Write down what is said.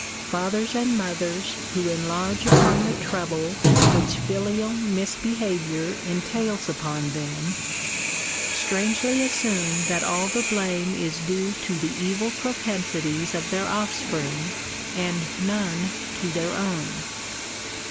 Fathers and mothers who enlarge upon the trouble which filial misbehaviour entails upon them, strangely assume that all the blame is due to the evil propensities of their offspring and none to their own.